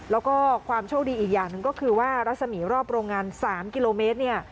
แล้วก็ความโชคดีอีกอย่างหนึ่งก็คือว่ารัศมีร์รอบโรงงาน๓กิโลเมตรเนี่ย